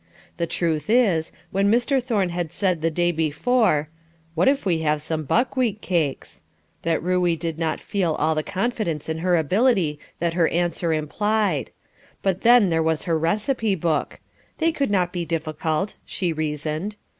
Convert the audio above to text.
The truth is, when Mr. Thorne had said the day before, "What if we have some buckwheat cakes?" that Ruey did not feel all the confidence in her ability that her answer implied; but then there was her receipt book; "they could not be difficult," she reasoned.